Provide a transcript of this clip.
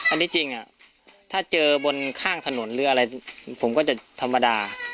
อันนี้จริงถ้าเจอบนข้างถนนหรืออะไรผมก็จะธรรมดา